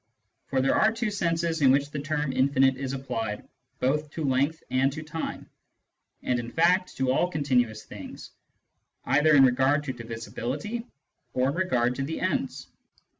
For there are two senses in which the term * infinite ' is applied both to length and to time, and in fact to all continuous things, either in regard to divisibility, or in regard to the ends.